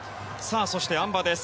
そして、あん馬です。